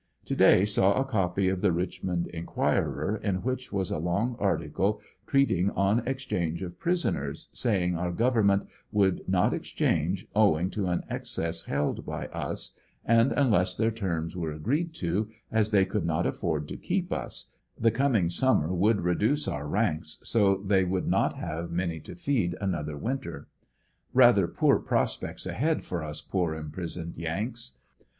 To day saw a copy of the Richmond Enquirer in which was a long article treating on exchange of prisoners, saying our government would not exchange owing to an excess held by us, and unless their terms were agreed to, as they could not afford to keep us, the coming summer would reduce our ranks so that they would not hav^ many to feed another winter. Rather poor prospects ahead for us poor imprisoned yanks.